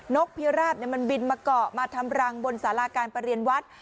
กพิราบมันบินมาเกาะมาทำรังบนสาราการประเรียนวัด